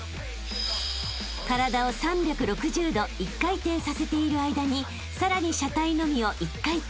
［体を３６０度１回転させている間にさらに車体のみを１回転］